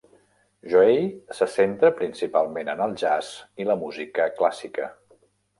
Joey se centra principalment en el jazz i la música clàssica.